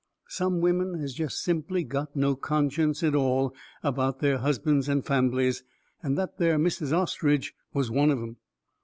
Some women has jest simply got no conscience at all about their husbands and famblies, and that there Mrs. Ostrich was one of 'em.